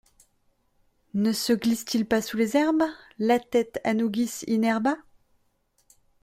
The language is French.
Ne se glisse-t-il pas sous les herbes… latet anugis in herba ?